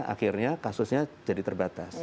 akhirnya kasusnya jadi terbatas